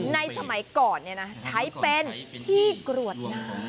ในสมัยก่อนเนี่ยนะใช้เป็นที่กรวดน้ำ